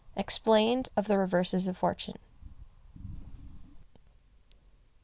EXPLAINED OF THE REVERSES OF FORTUNE.